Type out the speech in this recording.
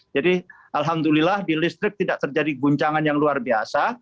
jadi alhamdulillah di listrik tidak terjadi guncangan yang luar biasa